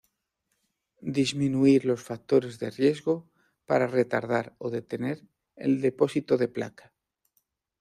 Disminuir los factores de riesgo para retardar o detener el depósito de placa.